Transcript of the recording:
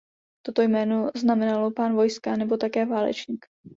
Toto jméno znamenalo "pán vojska" nebo také "válečník".